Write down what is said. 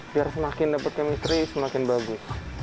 biar semakin dapat chemistry semakin bagus